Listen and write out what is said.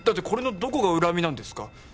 これのどこが恨みなんですか